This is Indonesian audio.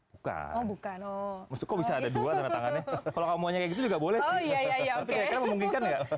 bukan bukan oh kok bisa ada dua tanda tangannya kalau kamu aja gitu juga boleh oh ya ya ya oh ya ya